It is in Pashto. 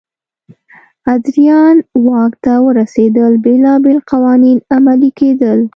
ادریان واک ته ورسېدل بېلابېل قوانین عملي کېدل.